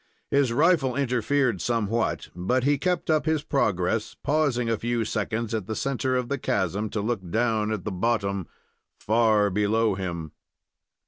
His rifle interfered somewhat, but he kept up his progress, pausing a few seconds at the centre of the chasm to look down at the bottom far below him.